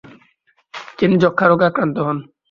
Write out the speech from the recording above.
তিনি যক্ষারোগে আক্রান্ত হন।